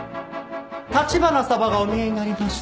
橘様がお見えになりました。